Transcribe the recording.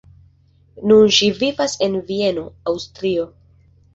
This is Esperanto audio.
Nun ŝi vivas en Vieno, Aŭstrio.